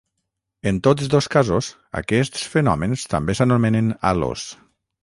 En tots dos casos, aquests fenòmens també s’anomenen halos.